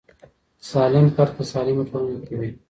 سالم فرد په سالمه ټولنه کي وي.